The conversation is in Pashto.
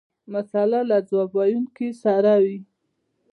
مساله له ځواب ویونکي سره وي.